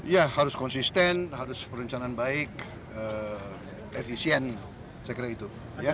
ya harus konsisten harus perencanaan baik efisien saya kira itu